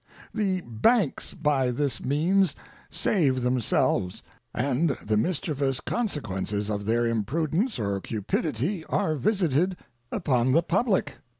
The banks by this means save themselves, and the mischievous consequences of their imprudence or cupidity are visited upon the public.